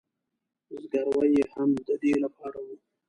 زګیروي یې هم د دې له پاره و.